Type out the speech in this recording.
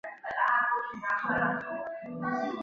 鼓山珠灵殿创建于日治时期大正十五年。